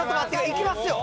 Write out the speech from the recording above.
いきますよ。